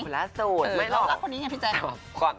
คนล่าสุดไม่หรอก